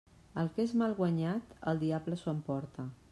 El que és mal guanyat el diable s'ho emporta.